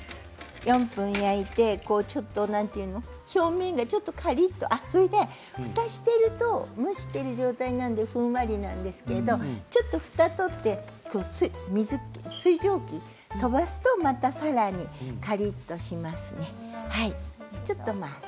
４分焼いて表面がちょっとカリっとそして、ふたをして蒸している状態なのでふんわりなんですけどちょっとふたを取って水蒸気を飛ばすとまたさらにカリっとしますね。